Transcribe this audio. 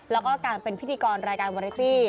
แล้วก็การเป็นพิธีกรรายการวาริตี้